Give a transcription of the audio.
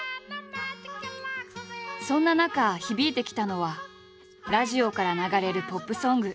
そんな中響いてきたのはラジオから流れるポップソング。